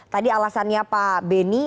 tadi alasannya pak beni